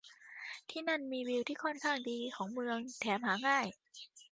ที่นั่นมีวิวที่ค่อนข้างดีของเมือง แถมหาง่าย